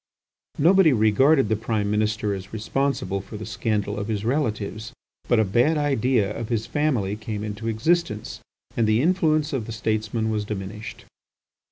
Nobody regarded the Prime Minister as responsible for the scandal of his relatives, but a bad idea of his family came into existence, and the influence of the statesman was diminished.